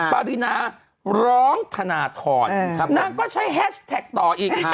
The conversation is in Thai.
ปริณาร้องธนธรน้ำก็ใช้แฮสแท็กต่ออีก